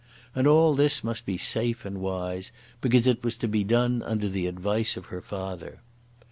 And all this must be safe and wise, because it was to be done under the advice of her father.